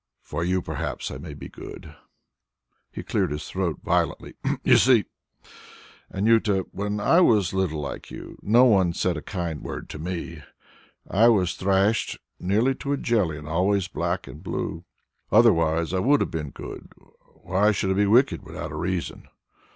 "For you perhaps I may be good" he cleared his throat violently "You see, Anjuta, when I was little like you, no one said a kind word to me. I was thrashed nearly to a jelly, and always black and blue. Otherwise I would have been good; why should I be wicked without a reason?